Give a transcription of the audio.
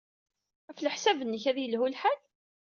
Ɣef leḥsab-nnek, ad yelhu lḥal?